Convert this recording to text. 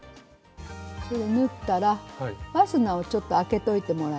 縫ったらファスナーをちょっとあけておいてもらって。